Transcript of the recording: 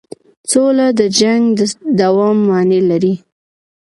سوله د جنګ د دوام معنی لري.